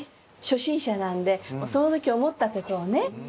初心者なんでその時思ったことをね。